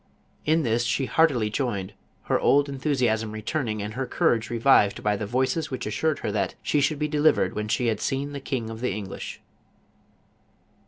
In this she heartily joined, her old enthusiasm returning and her courage revived by the voices which assured her that " she should be delivered when she had seen the king of the English."